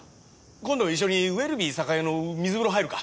今度一緒にウェルビー栄の水風呂入るか？